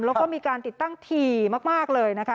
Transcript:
แล้วก็มีการติดตั้งถี่มากเลยนะคะ